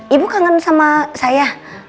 ibu kangen sama saya